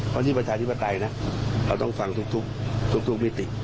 เพราะที่ประชาธิปไตยนะเราต้องฟังทุกมิติ